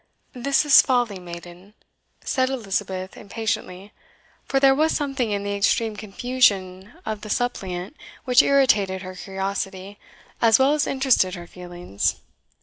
"This is folly, maiden," said Elizabeth impatiently; for there was something in the extreme confusion of the suppliant which irritated her curiosity, as well as interested her feelings.